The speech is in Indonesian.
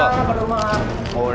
ya bang norman